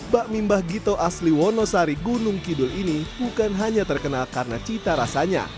bakmi mbah gito asli wonosari gunung kidul ini bukan hanya terkenal karena cita rasanya